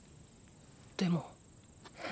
でも。